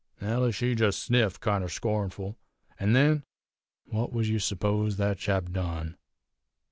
Nellie she jest sniffed kinder scornful; an' then, what would yez suppose that chap done?